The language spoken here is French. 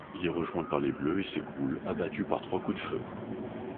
Il est rejoint par les Bleus et s’écroule, abattu par trois coups de feu.